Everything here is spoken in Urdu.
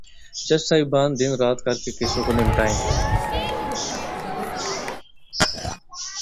جج صاحبان دن رات کر کے کیسوں کو نمٹائیں۔